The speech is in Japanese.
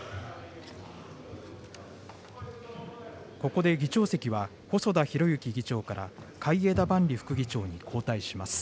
ここで議長席は細田博之議長から、海江田万里副議長に交代します。